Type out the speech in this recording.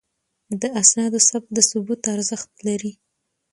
د اسنادو ثبت د ثبوت ارزښت لري.